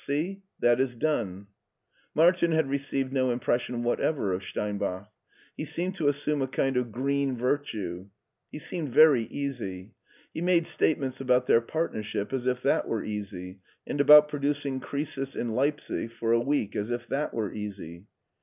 See? That is done." Martin had received no impression whatever of SteinbacK He seemed to assume a kind of green vir tue. He seemed very easy. He made statements about their partnership as if that were easy, and about producing Croesus in Leipsic for a week as if that were easy.